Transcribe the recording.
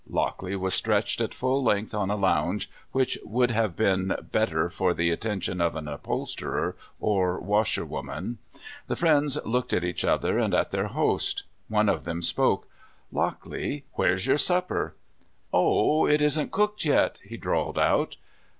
Lockley was stretched at full length on a lounge which would have been better for the attention of an upholsterer or washerwoman. The friends looked at each other, and at their host. One of them spoke: " Lockley, where' s your supper? " "O, it isn't cooked yet," he drawled out.